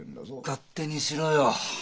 勝手にしろよ。